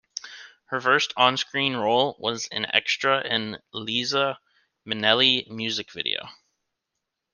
Her first on-screen role was an extra in a Liza Minnelli music video.